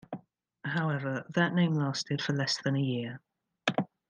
However, that name lasted for less than a year.